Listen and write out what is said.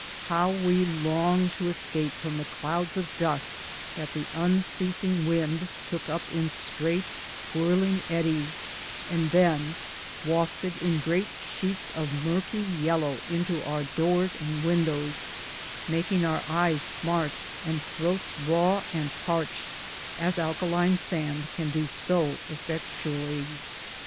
How we longed to escape from the clouds of dust that the unceasing wind took up in straight whirling eddies and then wafted in great sheets of murky yellow into our doors and windows, making our eyes smart and throats raw and parched, as alkali sand can do so effectually.